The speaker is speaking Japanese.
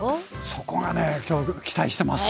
そこがね今日期待してます。